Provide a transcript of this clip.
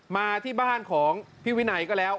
มาที่บ้านของพี่วินัยก็แล้ว